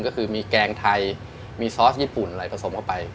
ก็คือมีแกงไทยมีซอสญี่ปุ่นอะไรผสมเข้าไป